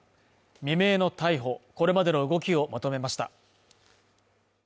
未明の逮捕、これまでの動きをまとめました。